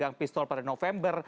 pegang pistol pada november